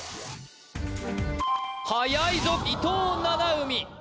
はやいぞ伊藤七海